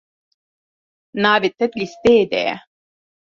Navê te di lîsteyê de ye?